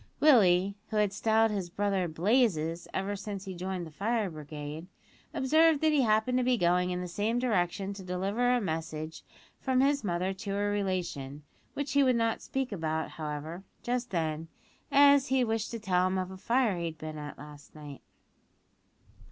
Willie (who had styled his brother "Blazes" ever since he joined the fire brigade) observed that he happened to be going in the same direction to deliver a message from his mother to a relation, which he would not speak about, however, just then, as he wished to tell him of a fire he had been at last night.